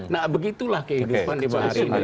nah begitulah kehidupan di bahagian ini